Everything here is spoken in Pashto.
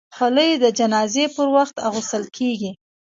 خولۍ د جنازې پر وخت اغوستل کېږي.